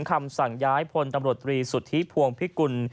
คำสั่งย้ายพลตำรวจตรีสุทธิพวงพิกุล